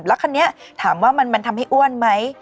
แล้วคันนี้ถามว่ามันทำให้อ้วนไหม